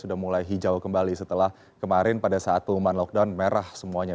sudah mulai hijau kembali setelah kemarin pada saat pengumuman lockdown merah semuanya